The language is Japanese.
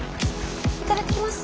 いただきます。